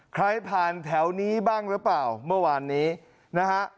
ใครผ่านแถวนี้บ้างหรือเปล่าเมื่อวานนี้นะฮะ